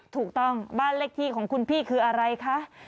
ถูกต้องบ้านเลขที่ของคุณพี่คืออะไรคะ